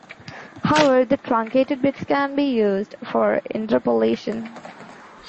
However, the truncated bits can be used for interpolation.